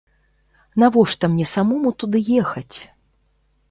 Навошта мне самому туды ехаць?